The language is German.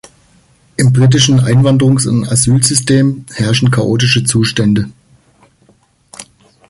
Im britischen Einwanderungs- und Asylsystem herrschen chaotische Zustände.